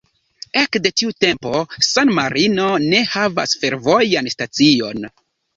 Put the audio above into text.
Ekde tiu tempo San-Marino ne havas fervojan stacion.